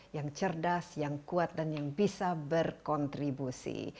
yang cerdas yang kuat dan yang bisa berkontribusi